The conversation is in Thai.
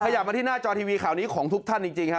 อยากมาที่หน้าจอทีวีข่าวนี้ของทุกท่านจริงครับ